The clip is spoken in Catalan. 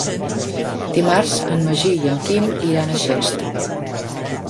Dimarts en Magí i en Quim iran a Xest.